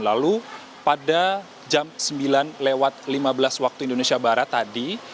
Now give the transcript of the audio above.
lalu pada jam sembilan lewat lima belas waktu indonesia barat tadi